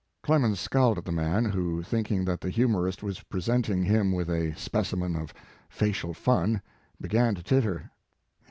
Clemens scowled at the man, who, thinking that the humorist was present ing him with a specimen of facial fun, began to titter.